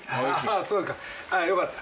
そうかよかった。